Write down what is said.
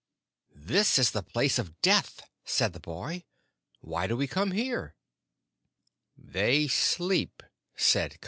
"This is the Place of Death," said the boy. "Why do we come here?" "They sleep," said Kaa.